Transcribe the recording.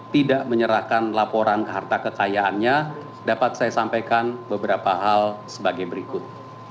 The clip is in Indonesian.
tidak menyerahkan laporan harta kekayaannya dapat saya sampaikan beberapa hal sebagai berikut